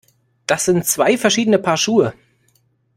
Das sind zwei verschiedene Paar Schuhe!